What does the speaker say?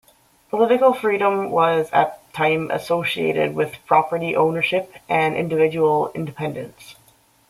Political freedom was at the time associated with property ownership and individual independence.